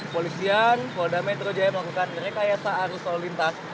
polisian polda metro jaya melakukan rekayasa arus lalu lintas